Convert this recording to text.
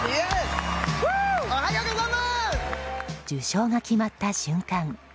受賞が決まった瞬間